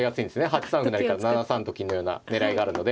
８三歩成から７三と金のような狙いがあるので。